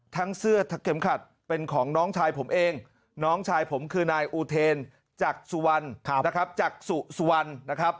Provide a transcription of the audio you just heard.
ทั้งเสื้อเข็มขัดเป็นของน้องชายผมเองน้องชายผมคือนายอูเทนจักษุสุวรรณนะครับ